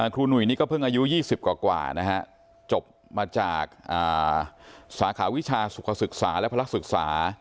หนุ่ยนี่ก็เพิ่งอายุ๒๐กว่านะฮะจบมาจากสาขาวิชาสุขศึกษาและพลักษึกษา